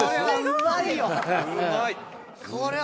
うまい！